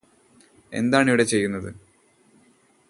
എന്താണിവിടെ ചെയ്യുന്നത്